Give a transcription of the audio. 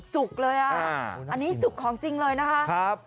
จุกเลยอ่ะอันนี้จุกของจริงเลยนะคะ